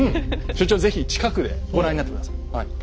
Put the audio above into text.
所長是非近くでご覧になって下さい。